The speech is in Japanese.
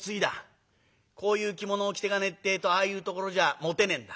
こういう着物を着ていかねえってえとああいうところじゃもてねえんだ。